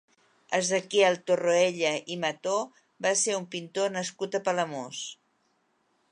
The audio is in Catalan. Ezequiel Torroella i Mató va ser un pintor nascut a Palamós.